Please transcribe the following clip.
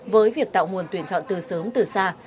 với việc tạo nguồn tuyển chọn từ sớm từ xa